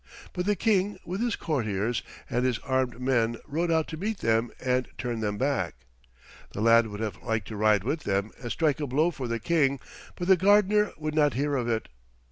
But the King with his courtiers and his armed men rode out to meet them and turn them back. The lad would have liked to ride with them and strike a blow for the King, but the gardener would not hear of it.